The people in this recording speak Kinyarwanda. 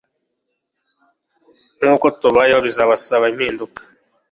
nkuko tubayeho Bizabasaba impinduka